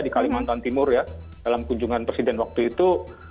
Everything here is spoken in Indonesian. di kalimantan timur ya dalam kunjungan presiden waktu itu